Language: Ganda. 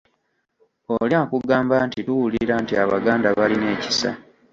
Oli akugamba nti: Tuwulira nti Abaganda balina ekisa.